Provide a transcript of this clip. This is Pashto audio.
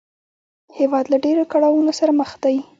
هېواد له ډېرو کړاوونو سره مخ دی